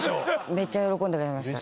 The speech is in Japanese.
めっちゃ喜んでくれました。